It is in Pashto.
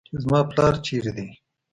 چې زما پلار چېرته دى.